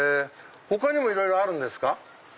他にもいろいろあるんですか？